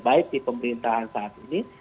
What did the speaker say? baik di pemerintahan saat ini